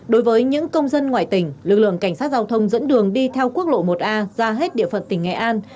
đối với những công dân ngoài tỉnh lực lượng cảnh sát giao thông dẫn đường đi theo quốc lộ một a ra hết địa phận tỉnh nghệ an